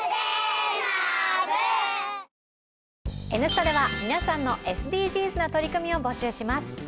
「Ｎスタ」では皆さんのＳＤＧｓな取り組みを募集します。